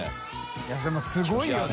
いでもすごいよな。